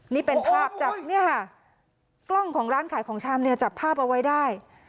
นี่เป็นภาพจากเนี่ยค่ะกล้องของร้านขายของชำเนี่ยจับภาพเอาไว้ได้